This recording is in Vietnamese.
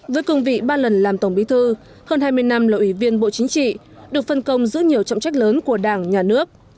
với cương vị ba lần làm tổng bí thư hơn hai mươi năm là ủy viên bộ chính trị được phân công giữ nhiều trọng trách lớn của đảng nhà nước